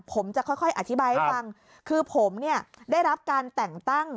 ผมจะค่อยอธิบายให้ฟังคือผมเนี่ยได้รับการแต่งตั้ง